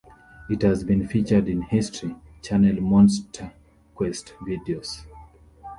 It has been featured in History Channel MonsterQuest videos.